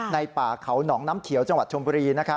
ป่าเขาหนองน้ำเขียวจังหวัดชมบุรี